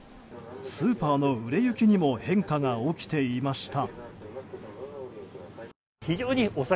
スーパーの売れ行きにも変化が起きていました。